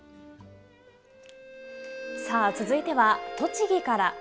さあ続いては栃木から。